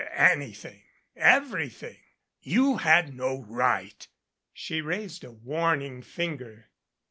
"Anything everything. You had no right " She raised a warning finger.